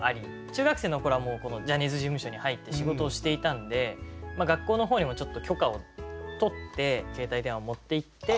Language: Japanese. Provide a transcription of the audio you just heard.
中学生の頃はもうジャニーズ事務所に入って仕事をしていたんで学校の方にも許可を取って携帯電話を持っていって。